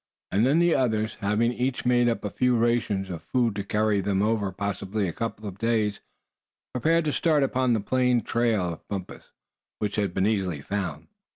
And then the others, having each made up a few rations of food to carry them over possibly a couple of days, prepared to start upon the plain trail of Bumpus, which had been easily found.